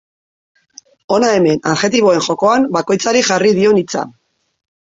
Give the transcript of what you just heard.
Hona hemen adjektiboen jokoan bakoitzari jarri dion hitza.